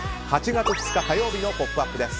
８月２日火曜日の「ポップＵＰ！」です。